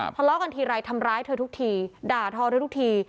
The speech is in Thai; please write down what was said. ทะเลาะกันทีไรทำร้ายเธอทุกทีด่าทอเธอทุกที